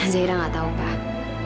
zaira enggak tahu pak